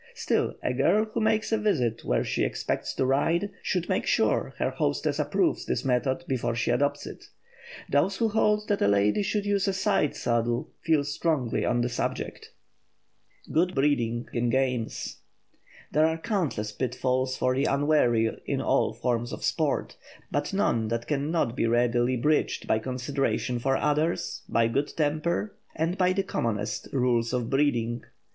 Still a girl who makes a visit where she expects to ride should make sure her hostess approves this method before she adopts it. Those who hold that a lady should use a side saddle feel strongly on the subject. [Sidenote: GOOD BREEDING IN GAMES] There are countless pitfalls for the unwary in all forms of sport; but none that can not be readily bridged by consideration for others, by good temper, and by the commonest rules of breeding.